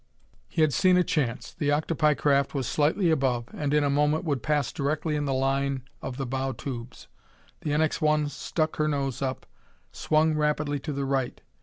He had seen a chance; the octopi craft was slightly above, and in a moment would pass directly in the line of the bow tubes. The NX 1 stuck her nose up, swung rapidly to the right.